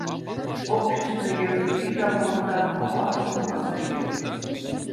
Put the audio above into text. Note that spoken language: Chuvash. Общество ертӳҫи ҫав вӑхӑта хаваслӑн аса илет.